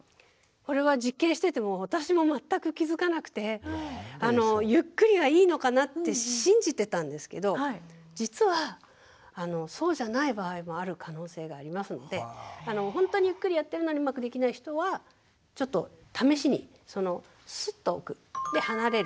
これは実験してても私も全く気付かなくてゆっくりがいいのかなって信じてたんですけど実はそうじゃない場合もある可能性がありますのでほんとにゆっくりやってるのにうまくできない人はちょっと試しにスッと置くで離れる。